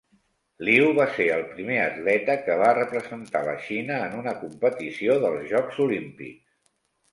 Liu va ser el primer atleta que va representar la Xina en una competició dels jocs olímpics.